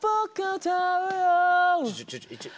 ちょちょちょちょ。